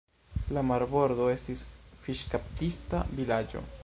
La marbordo estis fiŝkaptista vilaĝo.